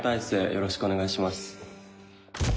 よろしくお願いします。